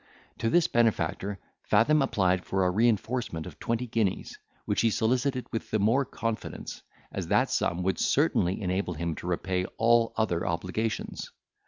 To this benefactor Fathom applied for a reinforcement of twenty guineas, which he solicited with the more confidence, as that sum would certainly enable him to repay all other obligations.